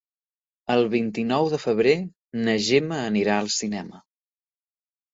El vint-i-nou de febrer na Gemma anirà al cinema.